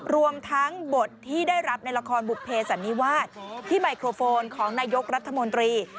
รวมทั้งบทที่ได้รับในละครบุภเพสันนิวาสที่ไมโครโฟนของนายกรัฐมนตรี